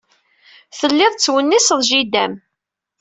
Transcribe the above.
Telliḍ tettwenniseḍ jida-m.